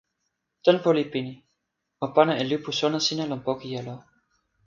tenpo li pini. o pana e lipu sona sina lon poki jelo.